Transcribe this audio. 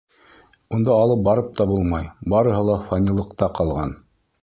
Унда алып барып та булмай, барыһы ла фанилыҡта ҡала.